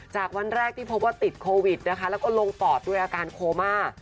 วันแรกที่พบว่าติดโควิดนะคะแล้วก็ลงปอดด้วยอาการโคม่า